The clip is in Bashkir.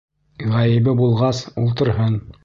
Ғәйебе булғас, ултырһын.